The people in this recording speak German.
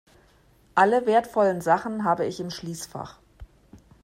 Alle wertvollen Sachen habe ich im Schließfach.